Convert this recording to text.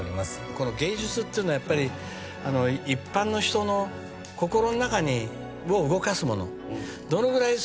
この芸術っていうのはやっぱり一般の人の心の中を動かすもの。